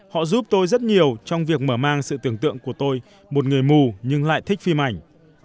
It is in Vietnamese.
họ giúp tôi rất nhiều trong việc mở mang sự tưởng tượng của tôi một người mù nhưng lại thích phim ảnh